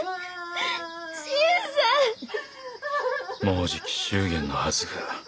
もうじき祝言のはずが。